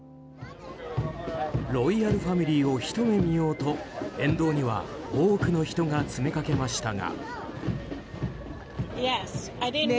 ロイヤルファミリーをひと目見ようと、沿道には多くの人が詰めかけましたが。